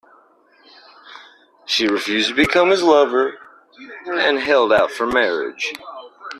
She refused to become his lover and held out for marriage.